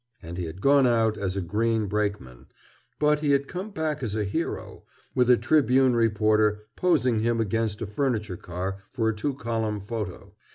And he had gone out as a green brakeman, but he had come back as a hero, with a Tribune reporter posing him against a furniture car for a two column photo.